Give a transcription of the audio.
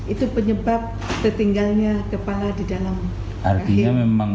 itu penyebab tertinggalnya kepala di dalam rahim